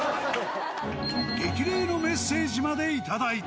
激励のメッセージまで頂いた。